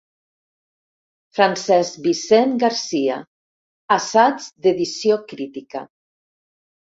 Francesc Vicent Garcia: Assaig d'Edició crítica.